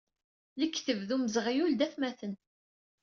Lekdeb d umzeɣyul d atmaten.